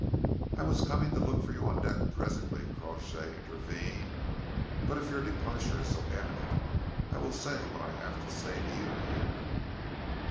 "I was coming to look for you on deck presently," Crawshay intervened, "but if your departure is so imminent, I will say what I have to say to you here."